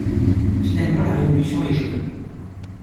Finalement, la révolution a échoué.